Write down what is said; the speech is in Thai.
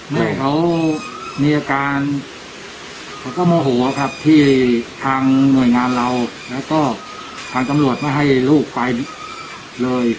แม่เขามีอาการเขาก็โมโหครับที่ทางหน่วยงานเราแล้วก็ทางตำรวจไม่ให้ลูกไปเลย